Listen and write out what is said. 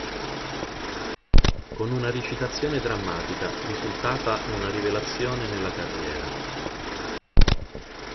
Con una recitazione drammatica, risultata una rivelazione nella carriera.